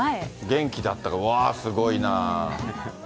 元気だったの、うわぁ、すごいなぁ。